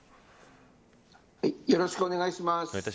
よろしくお願いします。